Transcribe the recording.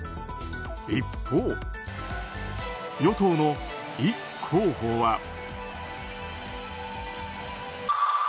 一方、与党のイ候補は。